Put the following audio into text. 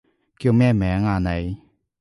叫咩名啊你？